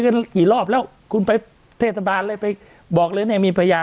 กี่รอบแล้วคุณไปเทศบาลเลยไปบอกเลยเนี่ยมีพยาน